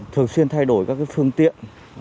thường xuyên thay đổi các phương tiện